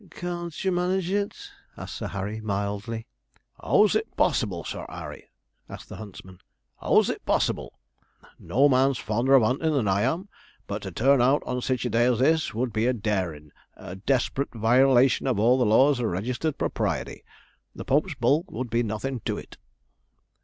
'Can't you manage it?' asked Sir Harry, mildly. ''Ow is't possible. Sir 'Arry,' asked the huntsman, ''ow is't possible? No man's fonder of 'untin' than I am, but to turn out on sich a day as this would be a daring a desperate violation of all the laws of registered propriety. The Pope's bull would be nothin' to it!'